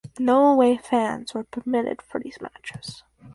No away fans were permitted for these matches.